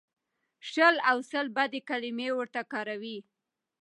شل او سل بدې کلمې ورته کاروي.